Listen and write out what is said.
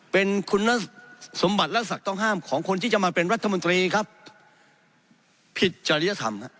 เป็นคุณสมบัติและศักดิ์ต้องห้ามของคนที่จะมาเป็นรัฐมนตรีครับผิดจริยธรรมครับ